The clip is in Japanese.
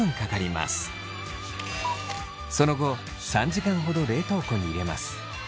その後３時間ほど冷凍庫に入れます。